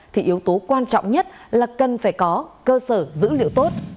thì yếu tố quan trọng nhất là cần phải có cơ sở dữ liệu tốt